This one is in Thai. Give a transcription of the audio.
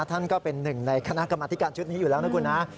ท่านก็เป็นหนึ่งในคณะกรรมธิการชุดนี้อยู่แล้วนะคุณนะ